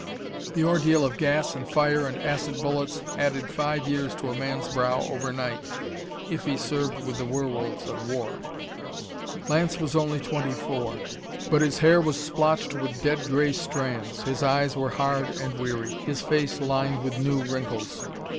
The ordeal of gas and fire and acid bullets added five years to a man's brow overnight if he served with the Werewolves of War. Lance was only twenty four, but his hair was splotched with dead gray strands; his eyes were hard and weary; his face lined with new wrinkles.